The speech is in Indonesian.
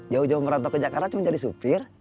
jauh jauh merantau ke jakarta cuma jadi supir